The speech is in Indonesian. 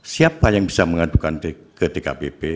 siapa yang bisa mengadukan ke dkpp